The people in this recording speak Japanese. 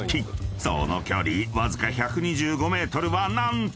［その距離わずか１２５ｍは何と］